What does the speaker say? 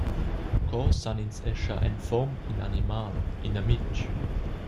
Co san ins era schar en fom in animal, in amitg.